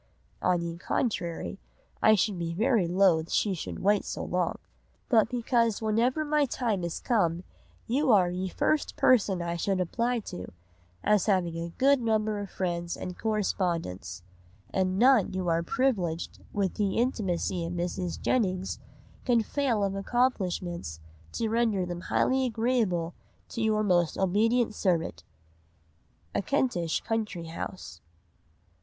(on ye contrary I should be very loth she should wait so long) but because whenever my Time is come You are ye first person I should apply to, as having a good Number of Friends and Correspondents; and none who are priviledged with ye Intimacy of Mrs. Jennings can fail of Accomplishments to render them highly agreable to your most obedient servant." (_A Kentish Country House.